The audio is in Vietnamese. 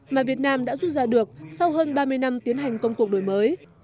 mà việt nam đã rút ra được sau hơn ba mươi năm tiến hành công cuộc đổi mới